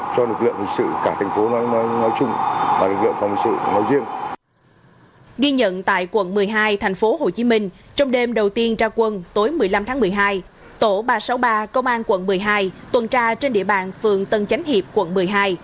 trong giao dịch dân sự công an tp hcm